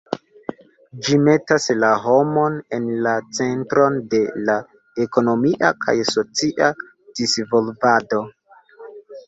Ĝi metas la homon en la centron de la ekonomia kaj socia disvolvado.